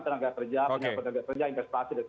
tenaga kerja penerja penerja investasi dan